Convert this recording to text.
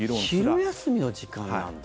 昼休みの時間なんだ。